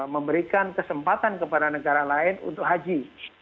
memberikan kesempatan kepada negara lain untuk haji